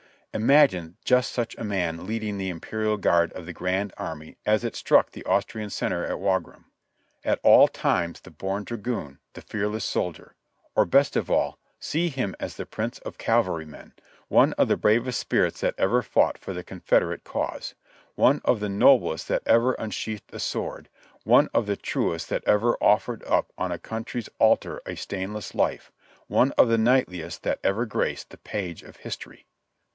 Imagine just such a man leading the Imperial Guard of the Grand Army as it struck the Austrian center at Wagram. At all times the born dragoon, the fearless soldier ; or best of all, see him as the Prince of Cavalrymen, one of the bravest spirits that ever fought for the Confederate cause — one of the noblest that ever unsheathed a sword ; one of the truest that ever offered up on a country's altar a stainless life: one of the knightliest that ever graced the page of history.